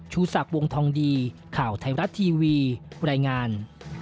ชูศักดิ์วงทองดีข่าวไทยรัฐทีวีรายงาน